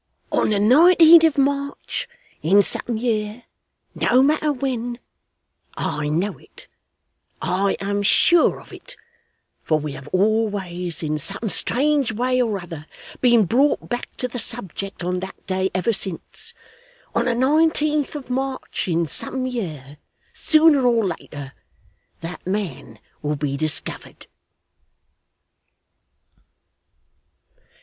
On the nineteenth of March in some year no matter when I know it, I am sure of it, for we have always, in some strange way or other, been brought back to the subject on that day ever since on the nineteenth of March in some year, sooner or later, that man will be discovered.